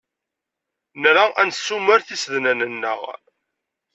Nra ad nessumar tisednan-nneɣ.